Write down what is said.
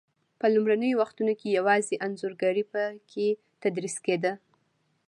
په لومړنیو وختو کې یوازې انځورګري په کې تدریس کېده.